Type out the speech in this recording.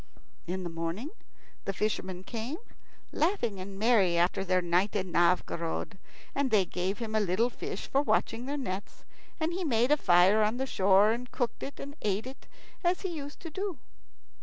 In the morning the fishermen came, laughing and merry after their night in Novgorod, and they gave him a little fish for watching their nets; and he made a fire on the shore, and cooked it and ate it as he used to do.